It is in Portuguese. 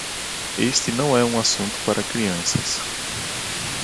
Este não é um assunto para crianças